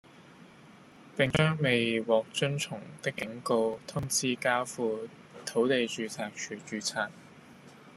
並將未獲遵從的警告通知交付土地註冊處註冊